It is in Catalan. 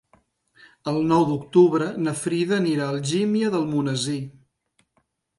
El nou d'octubre na Frida anirà a Algímia d'Almonesir.